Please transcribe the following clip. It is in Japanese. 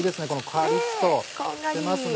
カリっとしてますね。